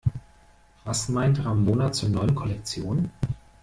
Was meint Ramona zur neuen Kollektion?